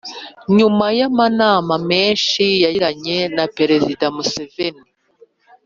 nyuma y'amanama menshi yagiranye na perezida museveni,